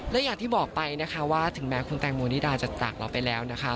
และอย่างที่บอกไปนะคะว่าถึงแม้คุณแตงโมนิดาจะจากเราไปแล้วนะคะ